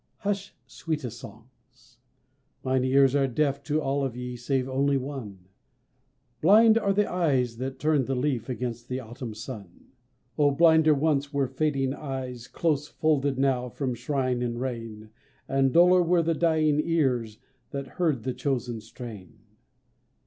Hush, sweetest songs! Mine ears are deaf To all of ye save only one. Blind are the eyes that turn the leaf Against the Autumn sun. Oh, blinder once were fading eyes, Close folded now from shine and rain, And duller were the dying ears That heard the chosen strain.